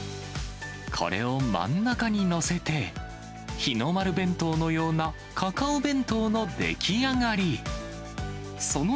これを真ん中に載せて、日の丸弁当のようなカカオ弁当の出来上がり。